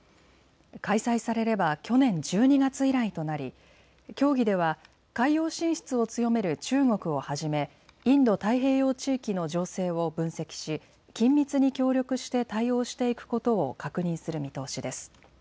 開催されれば去年１２月以来となり協議では海洋進出を強める中国をはじめインド太平洋地域の情勢を分析し、緊密に協力して対応していくことを確認する見通しです。